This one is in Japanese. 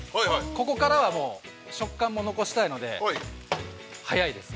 ここからは、食感も残したいので早いです。